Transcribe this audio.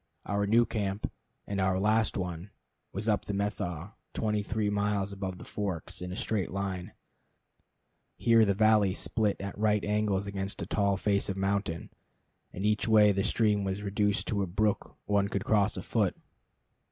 Our new camp and our last one was up the Methow, twenty three miles above the Forks, in a straight line. Here the valley split at right angles against a tall face of mountain, and each way the stream was reduced to a brook one could cross afoot.